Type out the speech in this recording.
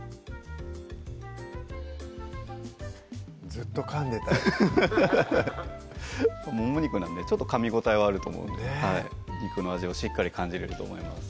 ずっとかんでたいアハハハッもも肉なんでちょっとかみ応えはあると思うんで肉の味をしっかり感じれると思います